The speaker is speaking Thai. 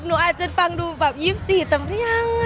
หนูอาจจะฟังดูแบบ๒๔แต่ก็ยัง